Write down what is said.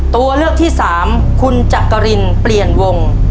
ตัวเลือกที่สามคุณจักรินเปลี่ยนวง